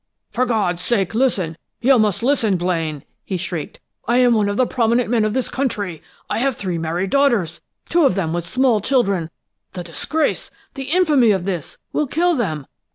"For God's sake, listen! You must listen, Blaine!" he shrieked. "I am one of the prominent men of this country! I have three married daughters, two of them with small children! The disgrace, the infamy of this, will kill them!